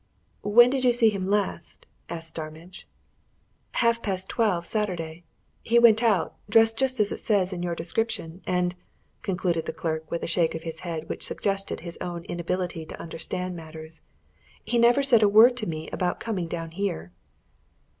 "When did you see him last?" asked Starmidge. "Half past twelve Saturday. He went out dressed just as it says in your description. And," concluded the clerk, with a shake of his head which suggested his own inability to understand matters, "he never said a word to me about coming down here."